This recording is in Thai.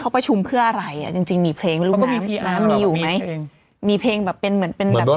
เขาประชุมเพื่ออะไรอ่ะจริงจริงมีเพลงไม่รู้ก็มีพี่น้ำมีอยู่ไหมเพลงมีเพลงแบบเป็นเหมือนเป็นแบบ